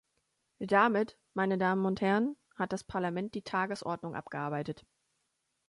Damit, meine Damen und Herren, hat das Parlament die Tagesordnung abgearbeitet.